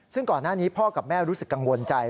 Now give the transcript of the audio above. ซึ่งก่อนหน้านี้พ่อกับแม่รู้สึกกังวลใจ